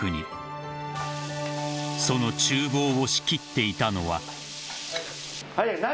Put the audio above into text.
［その厨房を仕切っていたのは］